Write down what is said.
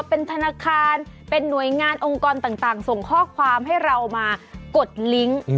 เป็นธนาคารเป็นหน่วยงานองค์กรต่างส่งข้อความให้เรามากดลิงค์